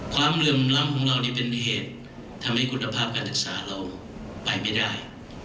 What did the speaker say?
เหลื่อมล้ำของเรานี่เป็นเหตุทำให้คุณภาพการศึกษาเราไปไม่ได้